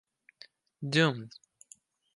Doomed!